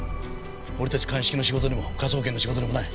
俺たち鑑識の仕事でも科捜研の仕事でもない。